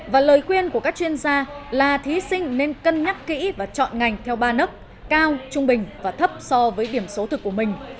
và lời khuyên của các chuyên gia là thí sinh nên cân nhắc kỹ và chọn ngành theo ba nấc cao trung bình và thấp so với điểm số thực của mình